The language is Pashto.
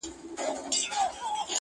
زريني کرښي د لاهور په لمر لويده کي نسته,